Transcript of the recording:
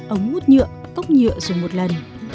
ống hút nhựa cốc nhựa dùng một lần